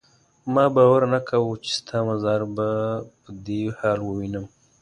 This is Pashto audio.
ما باور نه کاوه چې ستا مزار به په دې حال وینم.